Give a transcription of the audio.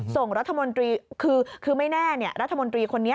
ส่งรัฐมนตรีคือไม่แน่รัฐมนตรีคนนี้